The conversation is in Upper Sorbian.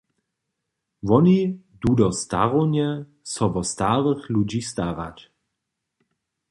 Woni du do starownje so wo starych ludźi starać.